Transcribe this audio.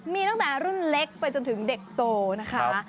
มีตั้งแต่รุ่นเล็กไปจนถึงเด็กโตนะคะ